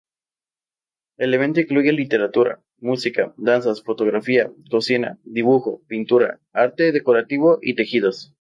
El evento incluye literatura, música, danzas, fotografía, cocina, dibujo, pintura, arte decorativo y tejidos.